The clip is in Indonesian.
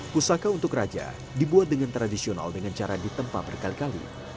pusaka untuk raja dibuat dengan tradisional dengan cara ditempa berkali kali